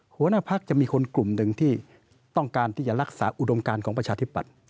หัวหน้าพักจะมีคนกลุ่มหนึ่งที่ต้องการที่จะรักษาอุดมการของประชาธิปัตย์